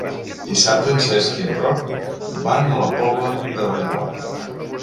Dissabte en Cesc i en Roc van a la Pobla de Vallbona.